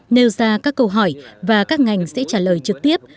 nêu ra các câu hỏi và các ngành sẽ trả lời trực tiếp